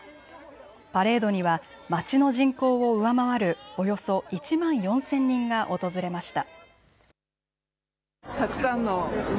パレードには町の人口を上回るおよそ１万４０００人が訪れました。